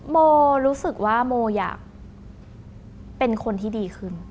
โมรู้สึกว่าโมอยากเป็นคนที่ดีขึ้น